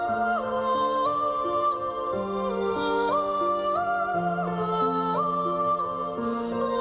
อาจไม่ต้องต้องกะเจ้า